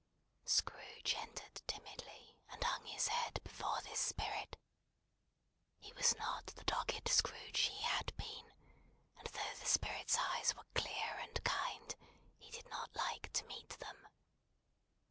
Scrooge entered timidly, and hung his head before this Spirit. He was not the dogged Scrooge he had been; and though the Spirit's eyes were clear and kind, he did not like to meet them.